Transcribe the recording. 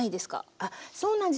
あっそうなんです。